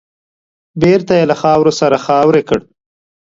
بېرته يې له خاورو سره خاورې کړ .